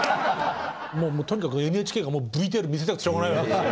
もうとにかくＮＨＫがＶＴＲ見せたくしょうがないわけですよ。